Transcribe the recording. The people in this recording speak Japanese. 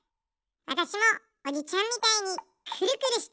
わたしもおじちゃんみたいにくるくるしたい。